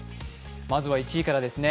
まずは１位からですね。